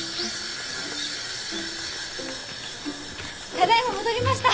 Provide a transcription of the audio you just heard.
ただいま戻りました！